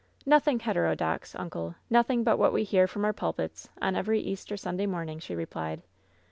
"Nothing heterodox, uncle. Nothing but what we hear from our pulpits on every Easter Sunday morn ing," she replied.